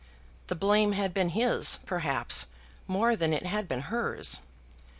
The blame had been his, perhaps, more than it had been hers.